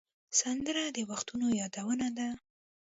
سندره د وختونو یادونه ده